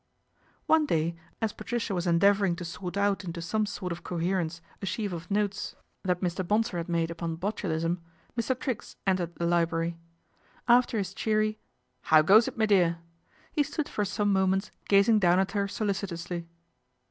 One day as Patricia was endeavouring to sort out into some sort of coherence a sheaf of notes 236 PATRICIA BRENT, SPINSTER that Mr. Bonsor had made upon Botulism, Mr. Triggs entered the library. After his cheery " How goes it, me dear ?" he stood for some moments gazing down at her solicitously.